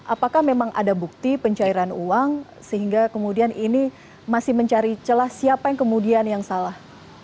apakah memang ada bukti pencairan uang sehingga kemudian ini masih mencari celah siapa yang kemudian yang salah